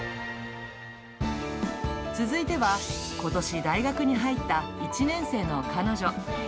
続いては、ことし大学に入った１年生の彼女。